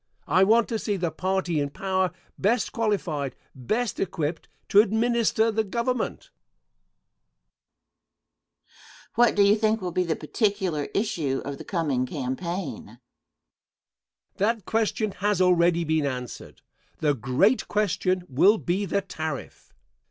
I want to see the party in power best qualified, best equipped, to administer the Government. Question. What do you think will be the particular issue of the coming campaign? Answer. That question has already been answered. The great question will be the tariff.